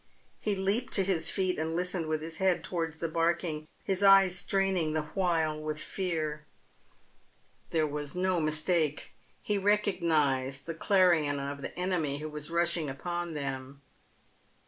He leaped to his feet, and listened with his head towards the barking, his eyes straining the while with fear. There was no mis take. He recognised the clarion of the enemy who was rushing upon them.